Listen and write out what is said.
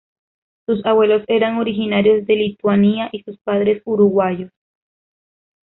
Sus abuelos eran originarios de Lituania y sus padres uruguayos.